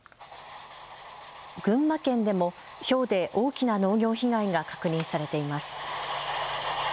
群馬県でも、ひょうで大きな農業被害が確認されています。